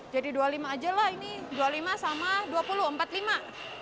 jadi dua puluh lima aja lah ini dua puluh lima sama dua puluh empat puluh lima